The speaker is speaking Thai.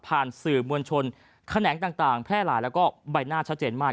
สื่อมวลชนแขนงต่างแพร่หลายแล้วก็ใบหน้าชัดเจนมาก